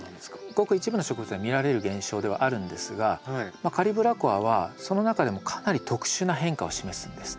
ごく一部の植物に見られる現象ではあるんですがカリブラコアはその中でもかなり特殊な変化を示すんです。